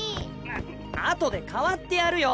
あとで代わってやるよ。